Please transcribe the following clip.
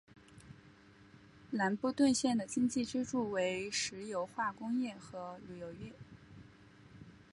兰布顿县的经济支柱为石油化工业和旅游业。